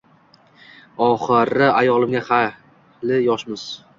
Oxiri ayolimga “Hali yoshmiz.